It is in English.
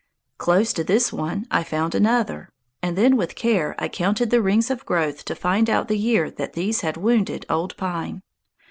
Close to this one I found another, and then with care I counted the rings of growth to find out the year that these had wounded Old Pine.